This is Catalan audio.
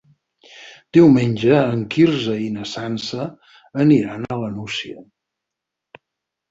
Diumenge en Quirze i na Sança aniran a la Nucia.